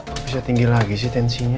kok bisa tinggi lagi sih tensinya